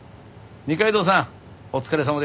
二階堂さん